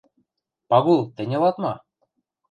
— Пагул, тӹнь ылат ма?